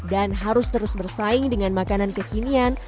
dan harus terus bersaing dengan makanan kekinian